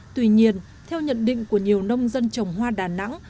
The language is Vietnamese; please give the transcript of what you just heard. tuy nhiên theo nhận định của nhiều nông dân trồng hoa đà nẵng